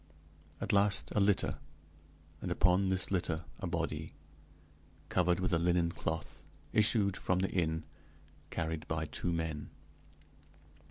At last a litter, and upon this litter a body, covered with a linen cloth, issued from the inn, carried by two men.